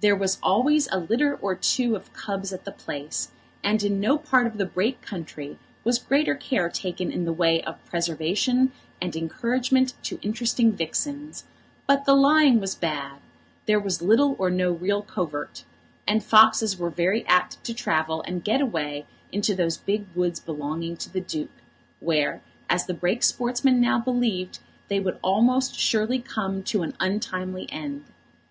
There was always a litter or two of cubs at the place, and in no part of the Brake country was greater care taken in the way of preservation and encouragement to interesting vixens; but the lying was bad; there was little or no real covert; and foxes were very apt to travel and get away into those big woods belonging to the Duke, where, as the Brake sportsmen now believed, they would almost surely come to an untimely end.